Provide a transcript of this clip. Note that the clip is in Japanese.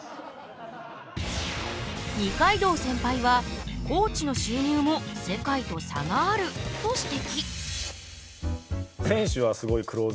二階堂センパイはコーチの収入も世界と差があると指摘。